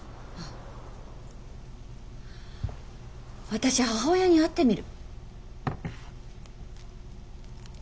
私母親に会ってみる。